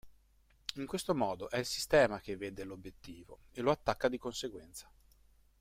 In questo modo è il sistema che 'vede' l'obiettivo e lo attacca di conseguenza.